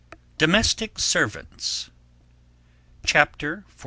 DOMESTIC SERVANTS. CHAPTER XLI.